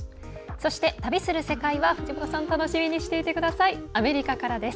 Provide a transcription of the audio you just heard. そして「旅する世界」は藤本さん楽しみにしていてくださいアメリカからです。